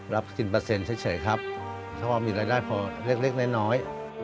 รับกินเปอร์เซ็นต์เฉยครับเพราะว่ามีรายได้พอเล็กน้อย